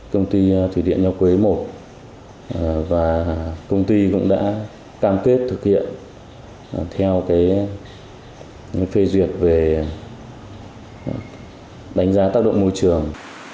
công ty thủy điện nho quế i và công ty cũng đã cam kết thực hiện theo phê duyệt về đánh giá tác động môi trường